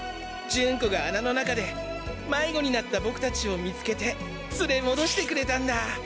ジュンコがあなの中でまいごになったボクたちを見つけてつれもどしてくれたんだ。